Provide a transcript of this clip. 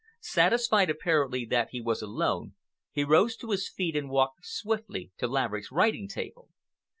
Satisfied apparently that he was alone, he rose to his feet and walked swiftly to Laverick's writing table.